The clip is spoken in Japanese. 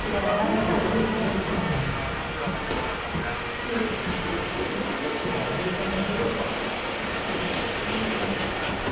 で６六桂と金を取ってしまうと同角は竜当たりになってしまうんでちょっとそれもやりにくかった。